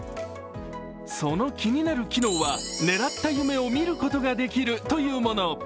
その気になる機能は、狙った夢を見ることができるというもの。